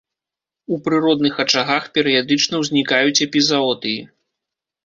У прыродных ачагах перыядычна ўзнікаюць эпізаотыі.